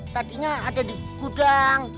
tadinya ada di gudang